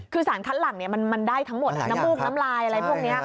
คือสารคัดหลังมันได้ทั้งหมดน้ำมูกน้ำลายอะไรพวกนี้